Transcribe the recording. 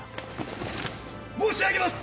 申し上げます！